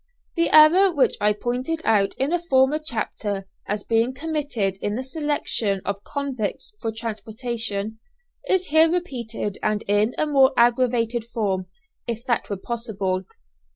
The error which I pointed out in a former chapter, as being committed in the selection of convicts for transportation, is here repeated and in a more aggravated form, if that were possible.